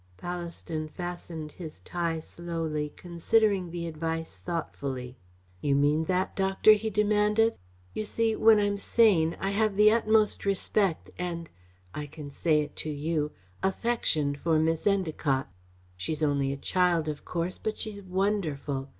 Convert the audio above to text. Ballaston fastened his tie slowly, considering the advice thoughtfully. "You mean that, Doctor?" he demanded. "You see, when I'm sane, I have the utmost respect and I can say it to you affection for Miss Endacott. She's only a child, of course, but she's wonderful.